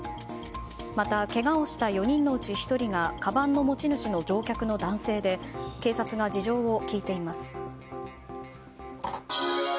またけがをした４人のうち１人がかばんの持ち主の乗客の男性で警察が事情を聴いています。